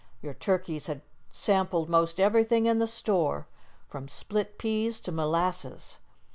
Your turkeys had sampled most everything in the store, from split peas to molasses.